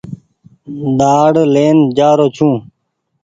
ڏآڙ لين جآرو ڇون ۔